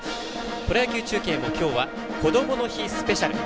プロ野球中継も、きょうは「こどもの日スペシャル」。